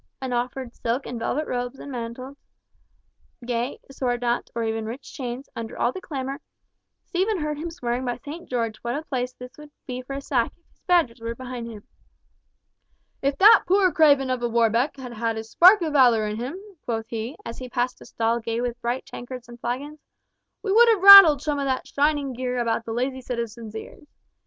and offered silk and velvet robes and mantles, gay sword knots, or even rich chains, under all the clamour, Stephen heard him swearing by St. George what a place this would be for a sack, if his Badgers were behind him. "If that poor craven of a Warbeck had had a spark of valour in him," quoth he, as he passed a stall gay with bright tankards and flagons, "we would have rattled some of that shining gear about the lazy citizens' ears!